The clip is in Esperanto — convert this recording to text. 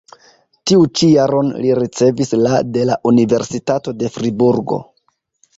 Tiu ĉi jaron li ricevis la de la Universitato de Friburgo.